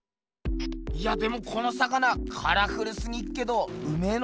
いやでもこの魚カラフルすぎっけどうめえのか？